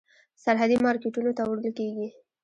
سرحدي مارکېټونو ته وړل کېږي.